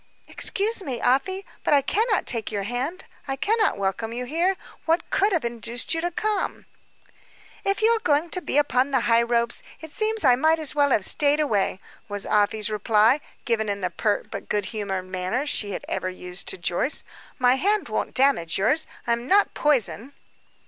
"Excuse me, Afy, but I cannot take your hand, I cannot welcome you here. What could have induced you to come?" "If you are going to be upon the high ropes, it seems I might as well have stayed away," was Afy's reply, given in the pert, but good humored manner she had ever used to Joyce. "My hand won't damage yours. I am not poison."